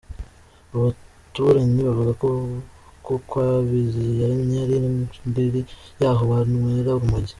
Abaturanyi bavuga ko kwa Biziyaremye ari ndiri y’aho banwera urumogi.